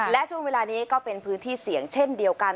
และช่วงเวลานี้ก็เป็นพื้นที่เสี่ยงเช่นเดียวกัน